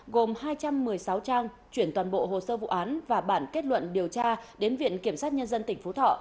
gồm hai trăm một mươi sáu trang chuyển toàn bộ hồ sơ vụ án và bản kết luận điều tra đến viện kiểm sát nhân dân tỉnh phú thọ